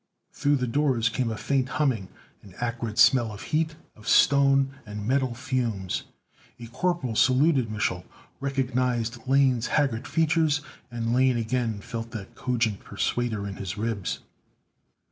Through the doors came a faint humming, an acrid smell of heat, of stone and metal fumes. A corporal saluted Mich'l, recognized Lane's haggard features, and Lane again felt that cogent persuader in his ribs.